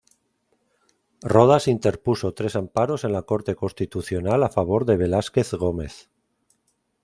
Rodas interpuso tres amparos en la Corte Constitucional a favor de Velásquez Gómez.